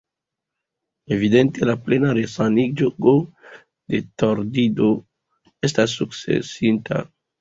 Evidente la plena resanigo de la tordito estis sukcesinta.